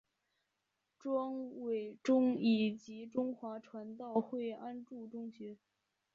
庄伟忠以及中华传道会安柱中学。